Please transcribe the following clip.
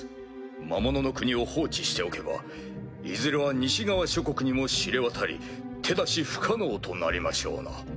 魔物の国を放置しておけばいずれは西側諸国にも知れ渡り手出し不可能となりましょうな。